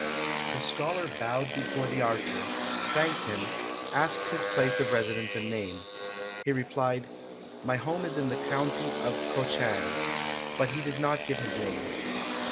"The scholar bowed before the archer, thanked him, asked his place of residence and name. He replied, 'My home is in the County of Ko chang,' but he did not give his name.